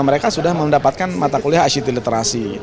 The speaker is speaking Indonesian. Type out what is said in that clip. mereka mendapatkan mata kuliah asyik literasi